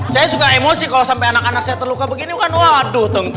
saya suka emosi kalau sampai anak anak saya terluka begini kan waduh